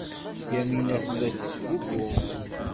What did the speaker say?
Yamina tella tettgugum.